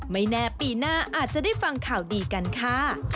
ไม่แน่ปีหน้าอาจจะได้ฟังข่าวดีกันค่ะ